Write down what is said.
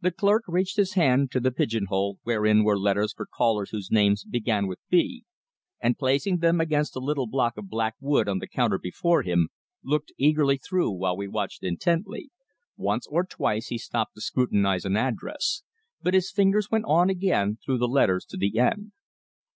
The clerk reached his hand to the pigeon hole wherein were letters for callers whose names began with B, and placing them against a little block of black wood on the counter before him, looked eagerly through while we watched intently. Once or twice he stopped to scrutinise an address, but his fingers went on again through the letters to the end.